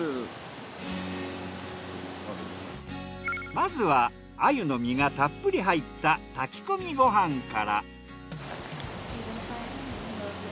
まずは鮎の身がたっぷり入った炊き込みご飯から。